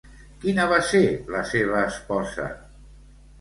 Quina va ser la seva esposa?